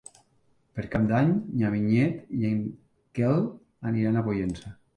Per Cap d'Any na Vinyet i en Quel aniran a Pollença.